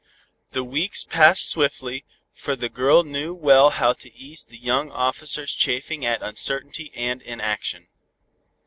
The weeks passed swiftly, for the girl knew well how to ease the young Officer's chafing at uncertainty and inaction.